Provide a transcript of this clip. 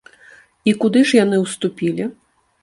І куды ж яны ўступілі?